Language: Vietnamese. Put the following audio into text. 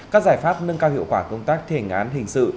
các giải pháp nâng cao hiệu quả công tác thi hành án hình sự